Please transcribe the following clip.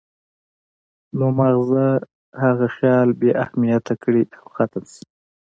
نو مازغۀ هغه خيال بې اهميته کړي او ختم شي